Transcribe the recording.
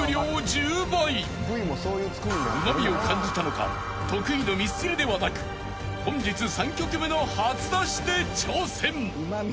［うまみを感じたのか得意のミスチルではなく本日３曲目の初出しで挑戦］